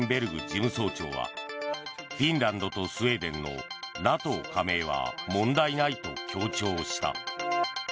事務総長はフィンランドとスウェーデンのＮＡＴＯ加盟は問題ないと強調した。